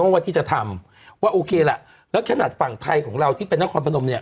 ว่าที่จะทำว่าโอเคล่ะแล้วขนาดฝั่งไทยของเราที่เป็นนครพนมเนี่ย